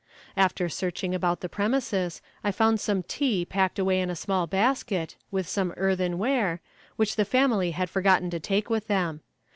After searching about the premises, I found some tea packed away in a small basket, with some earthearn ware, which the family had forgotten to take with them.